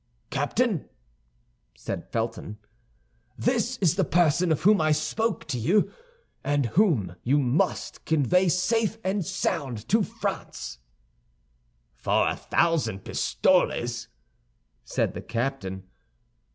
"Captain," said Felton, "this is the person of whom I spoke to you, and whom you must convey safe and sound to France." "For a thousand pistoles," said the captain.